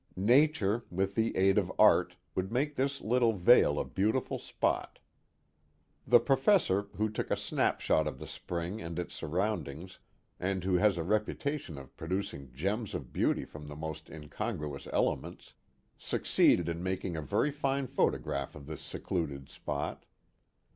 Nature, with the aid of art. would make this little vale a beautiful spot. The Profes sor, who took a snapshot of the spring and its surroundings, and who has a reputation of producing gems of beauty from the most incongruous elements, succeeded in making a very fine photograph of this secluded spot.